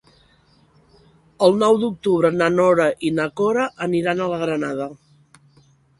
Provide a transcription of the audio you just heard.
El nou d'octubre na Nora i na Cora aniran a la Granada.